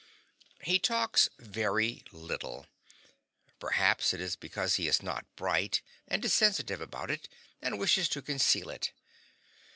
He talks very little. Perhaps it is because he is not bright, and is sensitive about it and wishes to conceal it.